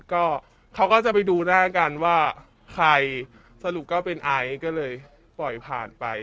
ก็เขาก็จะไปดูหน้ากันว่าใครสรุปก็เป็นไอซ์ก็เลยปล่อยผ่านไป